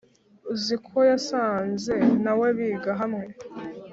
uziko yasanze nawe biga hamwe